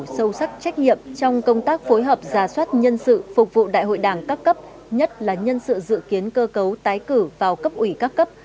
sâu sắc trách nhiệm trong công tác phối hợp giả soát nhân sự phục vụ đại hội đảng các cấp nhất là nhân sự dự kiến cơ cấu tái cử vào cấp ủy các cấp